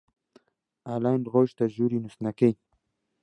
ئالان ڕۆیشتە ژووری نووستنەکەی.